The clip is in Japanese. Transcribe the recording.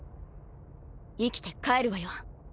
生きて帰るわよ。